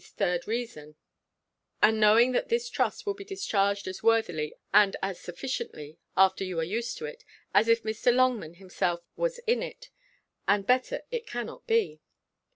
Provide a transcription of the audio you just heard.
's third reason; and knowing that this trust will be discharged as worthily and as sufficiently, after you are used to it, as if Mr. Longman himself was in it and better it cannot be.